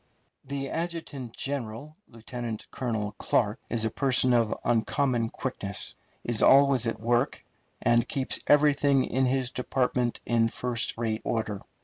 The adjutant general, Lieutenant Colonel Clark, is a person of uncommon quickness, is always at work, and keeps everything in his department in first rate order.